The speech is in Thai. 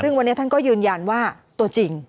ซึ่งวันนี้ท่านก็ยืนยันว่าตัวจริง